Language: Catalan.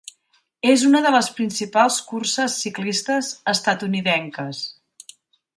És una de les principals curses ciclistes estatunidenques.